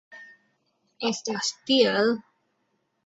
Estas tiel?